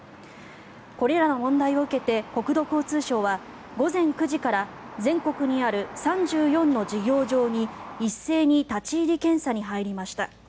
これらの問題を受けて国土交通省は午前９時から全国にある３４の事業場に一斉に立ち入り検査に入りました。